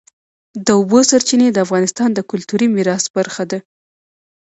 د اوبو سرچینې د افغانستان د کلتوري میراث برخه ده.